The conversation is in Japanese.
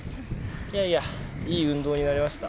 いやいやいい運動になりました。